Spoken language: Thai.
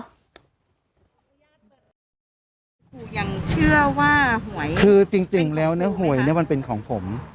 ครูยังเชื่อว่าหวยคือจริงแล้วเนี่ยหวยเนี่ยมันเป็นของผม